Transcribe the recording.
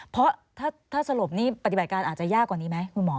เพราะถ้าสรุปนี้ปฏิบัติการอาจจะยากกว่านี้ไหมคุณหมอ